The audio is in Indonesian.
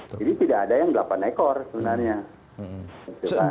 tidak ada yang delapan ekor sebenarnya